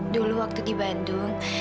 dulu waktu di bandung